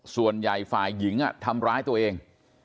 ส่วนใหญ่ฝ่ายหญิงทำร้ายตัวเอง